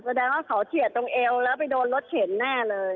แสดงว่าเขาเฉียดตรงเอวแล้วไปโดนรถเข็นแน่เลย